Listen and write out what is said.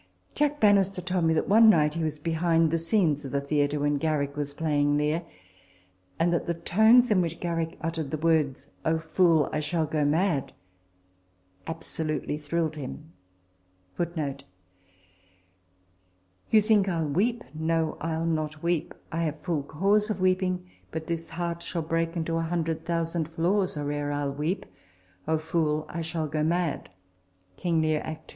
Jack Bannister told me, that one night he was behind the scenes of the theatre when Garrick was playing Lear ; and that the tones in which Garrick uttered the words, " O fool, I shall go mad !"* absolutely thrilled him. Garrick used to pay an annual visit to Lord *" You think I'll weep ; No, I'll not weep. I have full cause of weeping ; but this heart Shall break into a hundred thousand flaws Or ere I'll weep. O fool, I shall go mad /" King Lear, act ii.